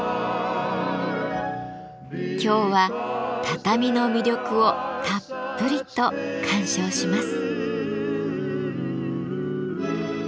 今日は畳の魅力をたっぷりと鑑賞します。